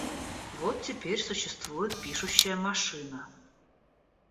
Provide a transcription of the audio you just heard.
Вот теперь существует пишущая машина.